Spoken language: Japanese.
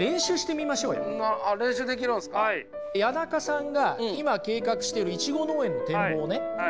谷中さんが今計画してるいちご農園の展望をね